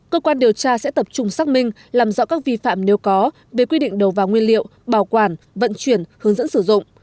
cơ quan điều tra sẽ tập trung xác minh làm rõ các vi phạm nếu có về quy định đầu vào nguyên liệu bảo quản vận chuyển hướng dẫn sử dụng